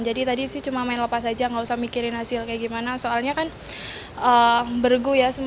tadi sih cuma main lepas aja nggak usah mikirin hasil kayak gimana soalnya kan bergu ya